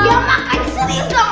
ya makanya serius dong